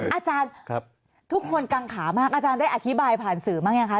อาจารย์ทุกคนกังขามากอาจารย์ได้อธิบายผ่านสื่อบ้างยังคะ